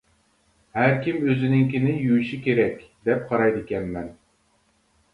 ھەركىم ئۆزىنىڭكىنى يۇيۇشى كېرەك دەپ قارايدىكەنمەن.